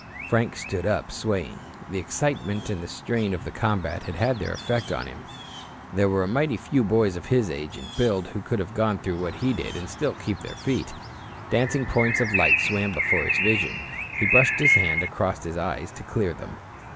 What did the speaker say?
Frank stood up swaying. The excitement and the strain of the combat had had their effect on him. There are mighty few boys of his age and build who could have gone through what he did and still keep their feet. Dancing points of light swam before his vision. He brushed a hand across his eyes to clear them.